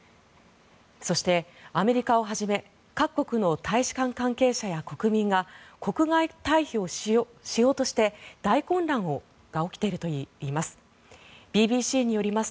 そして、アメリカをはじめ各国の大使館関係者や国民が国外退避をしようとして大混乱が起きているといいます。